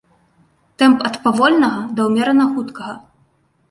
Тэмп ад павольнага да ўмерана хуткага.